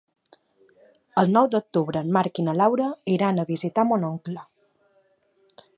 El nou d'octubre en Marc i na Laura iran a visitar mon oncle.